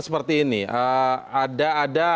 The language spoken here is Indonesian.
seperti ini ada